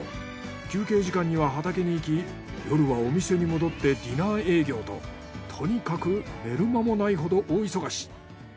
休憩時間には畑に行き夜はお店に戻ってディナー営業ととにかく寝る間もないほど大忙し。